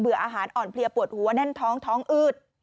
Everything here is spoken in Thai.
อาหารอ่อนเพลียปวดหัวแน่นท้องท้องอืด